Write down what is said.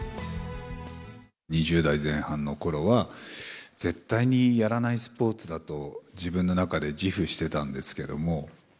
２０代前半のころは、絶対にやらないスポーツだと自分の中で自負してたんですけれども。